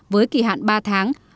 với kỳ hạn ba tháng